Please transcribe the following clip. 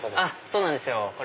そうなんですよ。